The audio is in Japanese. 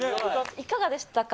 いかがでしたか？